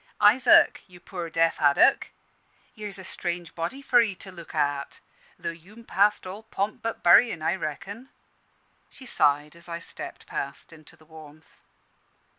Isaac, you poor deaf haddock, here's a strange body for 'ee to look at; tho' you'm past all pomp but buryin', I reckon." She sighed as I stepped past into the warmth.